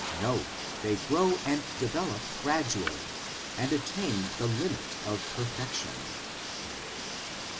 No, they grow and develop gradually, and attain the limit of perfection.